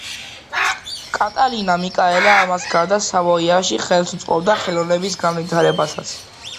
კატალინა მიკაელა ამას გარდა სავოიაში ხელს უწყობდა ხელოვნების განვითარებასაც.